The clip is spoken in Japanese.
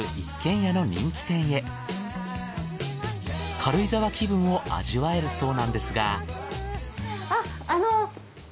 軽井沢気分を味わえるそうなんですが。